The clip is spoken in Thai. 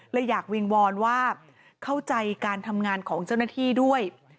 อยากวิงวอนว่าเข้าใจการทำงานของเจ้าหน้าที่ด้วย